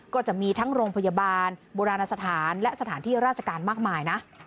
ก็จะมีทั้งโรงพยาบาลโบราณสถานและสถานที่ราชการมากมายนะ